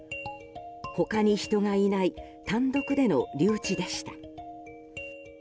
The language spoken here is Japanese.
他に人がいない単独での留置でした。